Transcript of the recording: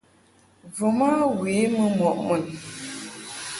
Voma we mɨ mɔʼ mun.